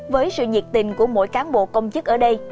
với sự nhiệt tình của mỗi cán bộ công chức ở đây